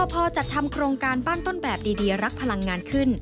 พอจัดทำโครงการบ้านต้นแบบดีรักพลังงานขึ้น